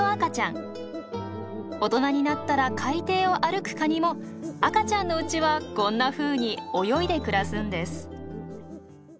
大人になったら海底を歩くカニも赤ちゃんのうちはこんなふうに泳いで暮らすんです。